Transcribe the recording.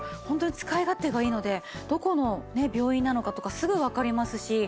ホントに使い勝手がいいのでどこの病院なのかとかすぐわかりますし。